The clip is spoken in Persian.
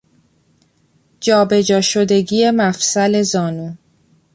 جا به جا شدگی مفصل زانو